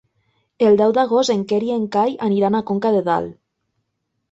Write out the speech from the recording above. El deu d'agost en Quer i en Cai aniran a Conca de Dalt.